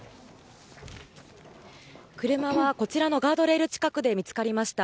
車はこちらのガードレール近くで見つかりました。